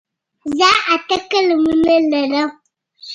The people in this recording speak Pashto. زه اته قلمونه لرم.